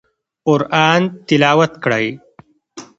قرآن تلاوت کړئ